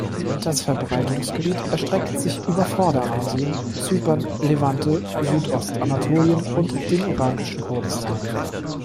Das Verbreitungsgebiet erstreckt sich über Vorderasien, Zypern, Levante, Südostanatolien und dem irakischen Kurdistan.